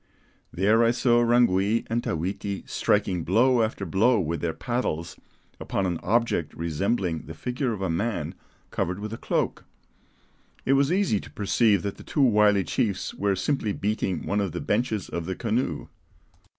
There I saw Rangui and Tawiti striking blow after blow with their paddles upon an object resembling the figure of a man covered with a cloak. It was easy to perceive that the two wily chiefs were simply beating one of the benches of the canoe.